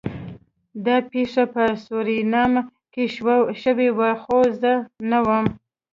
دا پیښه په سورینام کې شوې وه خو زه نه وم